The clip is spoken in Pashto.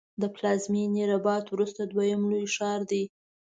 د پلازمېنې رباط وروسته دویم لوی ښار دی.